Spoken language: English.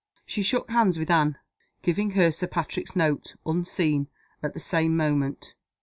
She shook hands with Anne giving her Sir Patrick's note, unseen, at the same moment.